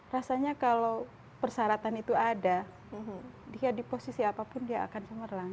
rasanya kalau persyaratan itu ada dia di posisi apapun dia akan cemerlang